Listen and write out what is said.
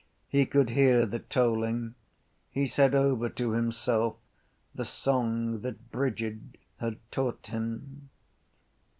He could hear the tolling. He said over to himself the song that Brigid had taught him.